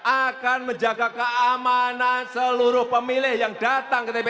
akan menjaga keamanan seluruh pemilih yang datang ke tps